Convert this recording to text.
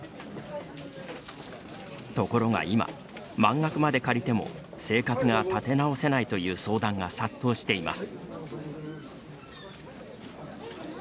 ところが今、満額まで借りても生活が立て直せないという相談が殺到しています。